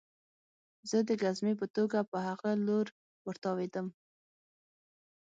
زه د ګزمې په توګه په هغه لور ورتاوېدم